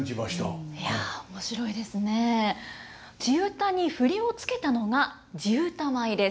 地唄に振りを付けたのが地唄舞です。